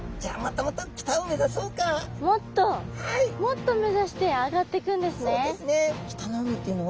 もっと目指して上がっていくんですね。